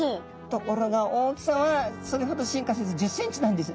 ところが大きさはそれほど進化せず１０ｃｍなんです。